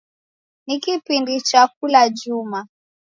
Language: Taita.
Ni kipindi cha kula juma.